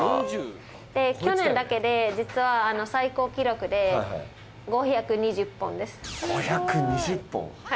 去年だけで実は最高記録で５２０本です５２０本！？